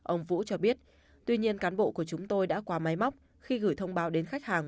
ông vũ cho biết tuy nhiên cán bộ của chúng tôi đã qua máy móc khi gửi thông báo đến khách hàng